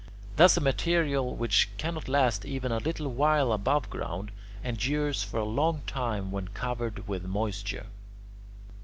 Thus a material which cannot last even a little while above ground, endures for a long time when covered with moisture.